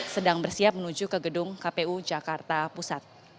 sedang bersiap menuju ke gedung kpu jakarta pusat